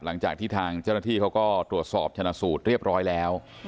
หลังจากที่ทางเจ้าหน้าที่เขาก็ตรวจสอบชนะสูตรเรียบร้อยแล้ว